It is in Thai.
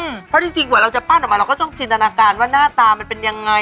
เพราะจริงจริงกว่าเราจะปั้นออกมาเราก็ต้องจินตนาการว่าหน้าตามันเป็นยังไง